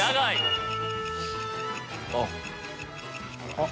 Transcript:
［あっ］